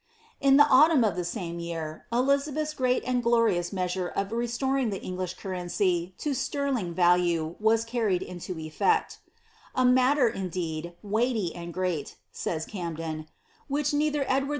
* Id the autumn of the same year, EUizabelh's great and glortona dko sore of restoring the English currency to sterling value was carried into efiecL " A matter, indeed, weighty and great," saya Camden, which neither Eldward Vl.